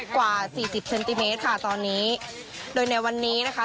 กว่าสี่สิบเซนติเมตรค่ะตอนนี้โดยในวันนี้นะคะ